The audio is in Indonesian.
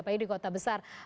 apalagi di kota besar